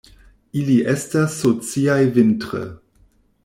Ili estas sociaj vintre.